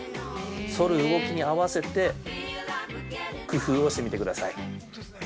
反る動きに合わせて工夫をしてみてください。